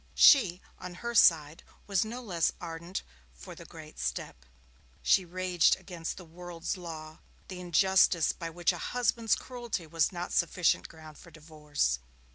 She, on her side, was no less ardent for the great step. She raged against the world's law, the injustice by which a husband's cruelty was not sufficient ground for divorce.